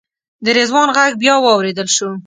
د رضوان غږ بیا واورېدل شو.